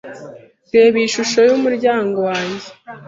Reba iyi shusho yumuryango wanjye.